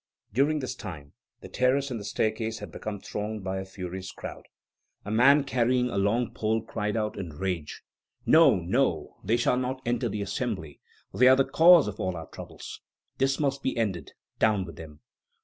During this time, the terrace and the staircase had become thronged by a furious crowd. A man carrying a long pole cried out in rage: "No, no; they shall not enter the Assembly. They are the cause of all our troubles. This must be ended. Down with them!"